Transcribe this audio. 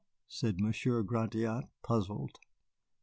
said Monsieur Gratiot, puzzled.